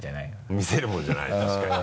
見せるものじゃない確かに。